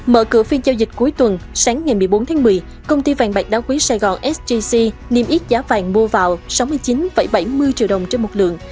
mở cửa phiên giao dịch cuối tuần sáng ngày một mươi bốn tháng một mươi công ty vàng bạc đá quý sài gòn sgc niêm yết giá vàng mua vào sáu mươi chín bảy mươi triệu đồng trên một lượng